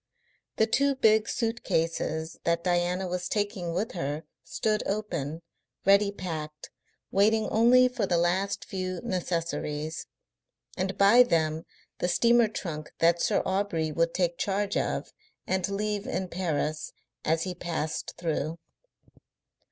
The two big suit cases that Diana was taking with her stood open, ready packed, waiting only for the last few necessaries, and by them the steamer trunk that Sir Aubrey would take charge of and leave in Paris as he passed through.